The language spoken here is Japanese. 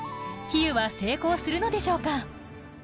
比喩は成功するのでしょうか？